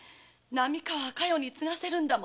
波川は加代に継がせるんだ。